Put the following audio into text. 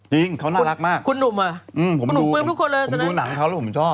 จริงเขาน่ารักมากคุณหนุ่มอะผมดูหนังเขาแล้วผมชอบ